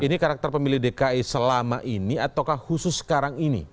ini karakter pemilih dki selama ini ataukah khusus sekarang ini